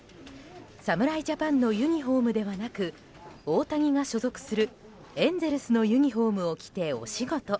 侍ジャパンのユニホームではなく大谷が所属するエンゼルスのユニホームを着てお仕事。